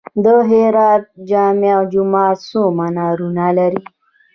د هرات جامع جومات څو منارونه لري؟